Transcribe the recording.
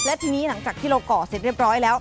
และทีนี้หลังจากที่เราก่อเสร็จเรียบร้อยแล้ว